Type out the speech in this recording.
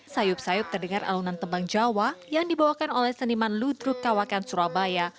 sayup sayup terdengar alunan tembang jawa yang dibawakan oleh seniman ludruk kawakan surabaya